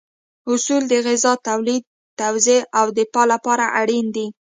اصول د غذا تولید، توزیع او دفاع لپاره اړین دي.